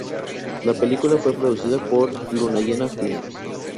La película fue producida por Luna Llena Films.